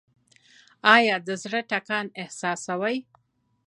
ایا د زړه ټکان احساسوئ؟